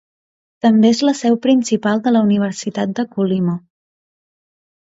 També és la seu principal de la Universitat de Colima.